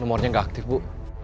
nomornya nggak aktif bu